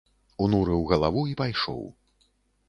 Унурыў галаву і пайшоў.